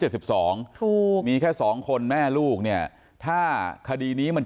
เจ็ดสิบสองถูกมีแค่สองคนแม่ลูกเนี่ยถ้าคดีนี้มัน